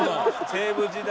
西武時代。